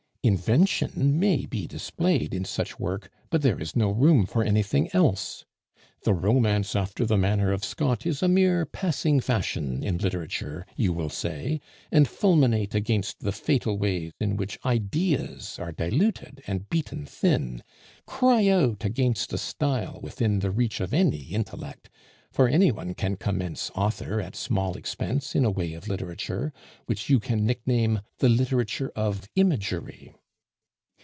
Invention may be displayed in such work, but there is no room for anything else. 'The romance after the manner of Scott is a mere passing fashion in literature,' you will say, and fulminate against the fatal way in which ideas are diluted and beaten thin; cry out against a style within the reach of any intellect, for any one can commence author at small expense in a way of literature, which you can nickname the 'literature of imagery.